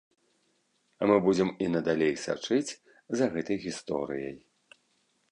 Мы будзем і надалей сачыць за гэтай гісторыяй.